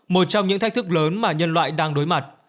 một trong những thách thức lớn mà nhân loại đang đối mặt